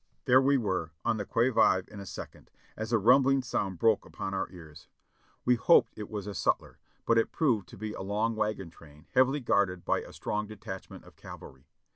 There we were on the qui vive in a second, as a rumbling sound broke upon our ears ; we hoped it was a sutler, but it proved to be a long wagon train heavily guarded by a strong detachment of cavalry.